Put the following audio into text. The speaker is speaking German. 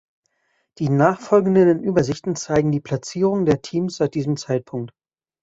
Die nachfolgenden Übersichten zeigen die Platzierungen der Teams seit diesem Zeitpunkt.